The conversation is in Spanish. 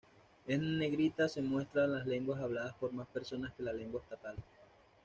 En negrita se muestran las lenguas habladas por más personas que la lengua estatal.